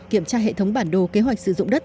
kiểm tra hệ thống bản đồ kế hoạch sử dụng đất